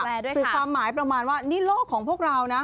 คือความหมายประมาณว่านี่โลกของพวกเรานะ